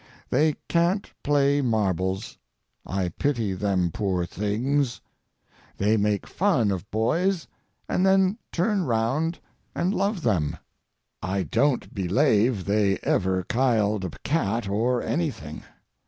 They cant play marbles. I pity them poor things. They make fun of boys and then turn round and love them. I don't belave they ever kiled a cat or anything.